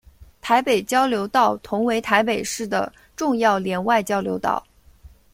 台北交流道同为台北市的重要联外交流道。